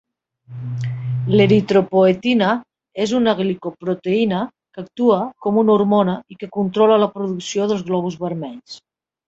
L'eritropoetina és una glicoproteïna que actua com una hormona i que controla la producció dels glòbuls vermells.